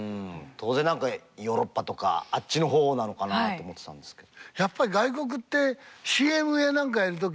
当然何かヨーロッパとかあっちの方なのかなと思ってたんですけど。